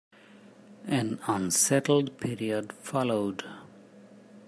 An unsettled period followed.